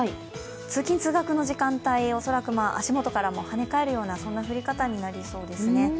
次、通学の時間帯、恐らく足元から跳ね返るようなそんな降り方になりそうですね。